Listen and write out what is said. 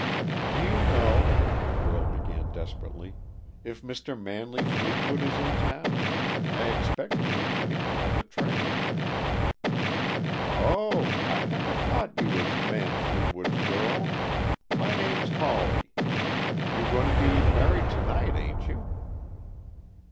"Do you know," the girl began desperately, "if Mr. Manley Fleetwood is in town? I expected him to meet me at the train." "Oh! I kinda thought you was Man Fleetwood's girl. My name's Hawley. You going to be married to night, ain't you?"